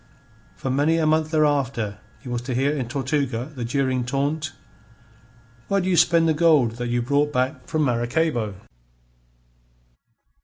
For many a month thereafter he was to hear in Tortuga the jeering taunt: "Where do you spend the gold that you brought back from Maracaybo?"